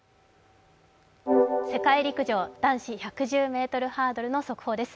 世界陸上男子１１０ｍハードルの速報です